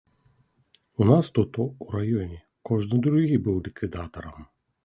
У нас тут у раёне кожны другі быў ліквідатарам.